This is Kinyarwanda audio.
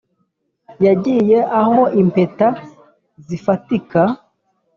yagiye aho impeta zifatika